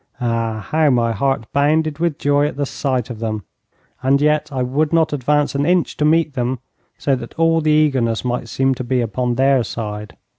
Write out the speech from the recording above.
Ah, how my heart bounded with joy at the sight of them. And yet I would not advance an inch to meet them, so that all the eagerness might seem to be upon their side.